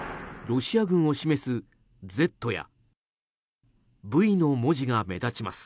ロシア軍を示す「Ｚ」や「Ｖ］の文字が目立ちます。